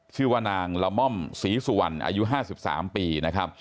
ชื่อว่านางละม่อมศรีสุวรรณอายุ๕๓ปีนะครับ